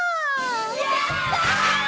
やった！